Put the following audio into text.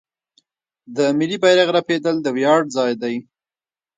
د ملي بیرغ رپیدل د ویاړ ځای دی.